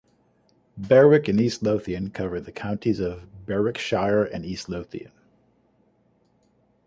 Berwick and East Lothian covered the counties of Berwickshire and East Lothian.